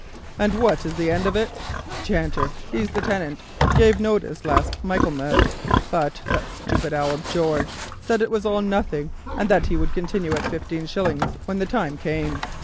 And what is the end of it? Janter—he's the tenant—gave notice last Michaelmas; but that stupid owl, George, said it was all nothing, and that he would continue at fifteen shillings when the time came.